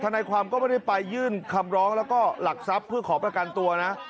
นายความก็ไม่ได้ไปยื่นคำร้องแล้วก็หลักทรัพย์เพื่อขอประกันตัวนะ